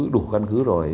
đủ căn cứ rồi